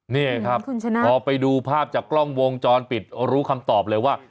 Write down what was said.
นี่ครับพอไปดูภาพจากกล้องวงจรปิดรู้คำตอบเลยว่า